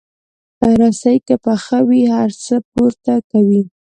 رسۍ که پخه وي، هر څه پورته کوي.